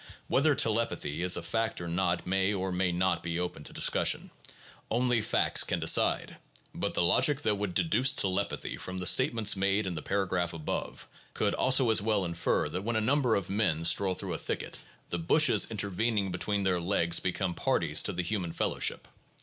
Whether telepathy is a fact or not may or may not be open to dis cussion. Only facts can decide. But the logic that would deduce telepathy from the statements made in the paragraph above could also as well infer that when a number of men stroll through a thicket, the bushes intervening between their legs become parties to the human fellowship.